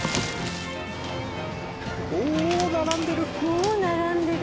おお並んでる！